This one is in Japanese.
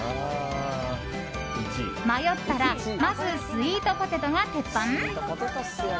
迷ったらまずスイートポテトが鉄板？